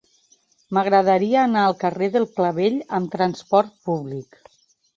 M'agradaria anar al carrer del Clavell amb trasport públic.